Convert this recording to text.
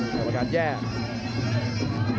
กรรมการแยก